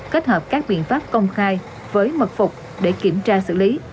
kết hợp các biện pháp công khai với mật phục để kiểm tra xử lý